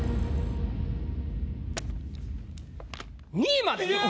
２位まで！